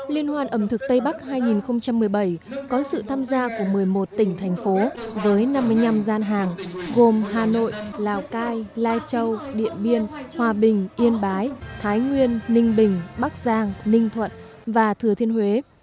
liên hoan ẩm thực tây bắc hai nghìn một mươi bảy có sự tham gia của một mươi một tỉnh thành phố với năm mươi năm gian hàng gồm hà nội lào cai lai châu điện biên hòa bình yên bái thái nguyên ninh bình bắc giang ninh thuận và thừa thiên huế